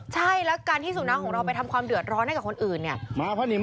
ใช่แล้วการที่สุนัขของเราไปทำความเดือดร้อนให้กับคนอื่นเนี่ย